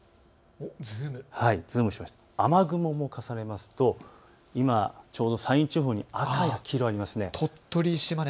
雨雲を重ねますと今、ちょうど山陰地方に赤や黄色がありますね。